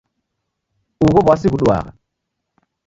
Ugho w'asi ghuduagha.